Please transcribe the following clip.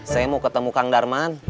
saya mau ketemu kang darman